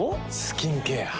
スキンケア。